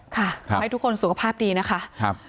ให้ทุกคนสุขภาพดีนะคะ